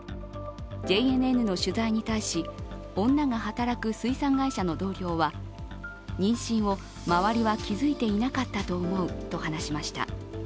ＪＮＮの取材に対し、女が働く水産会社の同僚は妊娠を周りは気付いていなかったと思うと話しました。